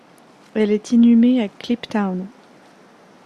Elle est inhumée à Kliptown.